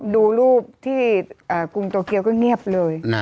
ดูรูปที่กรุงโตเกียวก็เงียบเลย